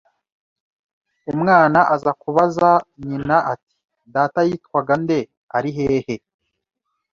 umwana aza kubaza nyina ati Data yitwaga nde Ari hehe